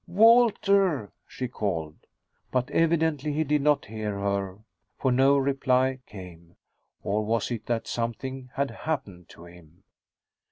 "Walter!" she called. But evidently he did not hear her, for no reply came. Or was it that something had happened to him?